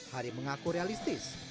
hari mengaku realistis